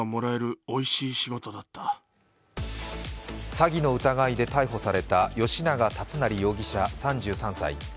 詐欺の疑いで逮捕された吉永達成容疑者３３歳。